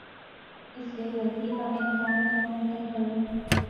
اس لیے غلطی کا امکان کم ہوتا ہے۔